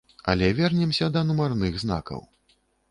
Але вернемся да нумарных знакаў.